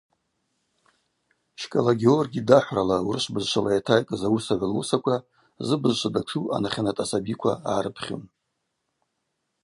Чкӏала Георгий дахӏврала урышв бызшвала йатайкӏыз ауысагӏв луысаква зыбызшва датшу анахьанат асабиква гӏарыпхьун.